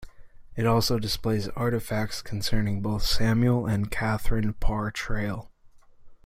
It also displays artifacts concerning both Samuel and Catharine Parr Traill.